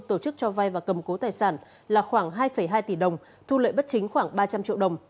tổ chức cho vay và cầm cố tài sản là khoảng hai hai tỷ đồng thu lợi bất chính khoảng ba trăm linh triệu đồng